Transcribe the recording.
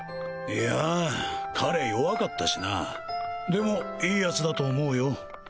いやー彼弱かったしなあでもいいヤツだと思うよ